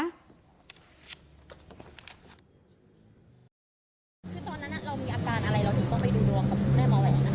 คือตอนนั้นเรามีอาการอะไรเราถึงต้องไปดูดวงกับแม่หมอแหวน